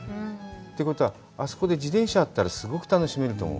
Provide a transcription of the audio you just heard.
ということは、あそこで自転車あったらすごく楽しめると思う。